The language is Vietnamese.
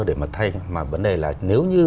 để mà thay mà vấn đề là nếu như